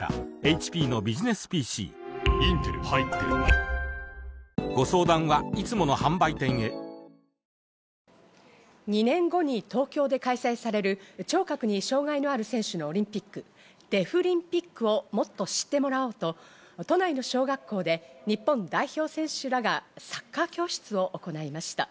出火当時、火元の家には４人がいて、このうち４０代の女性が腕に火傷を２年後に東京で開催される聴覚に障害のある選手のオリンピック、デフリンピックをもっと知ってもらおうと、都内の小学校で日本代表選手らがサッカー教室を行いました。